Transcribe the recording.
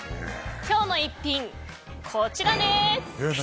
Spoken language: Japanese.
今日の逸品、こちらです。